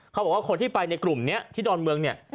เขาบอกว่าคนที่ไปในกลุ่มนี้ที่ดอนเมืองเนี่ย